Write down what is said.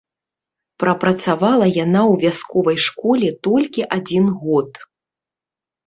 Прапрацавала яна ў вясковай школе толькі адзін год.